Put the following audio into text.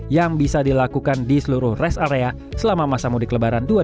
yang bisa dilakukan di seluruh rest area selama masa mudik lebaran dua ribu dua puluh